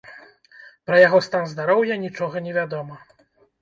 Пра яго стан здароўя нічога не вядома.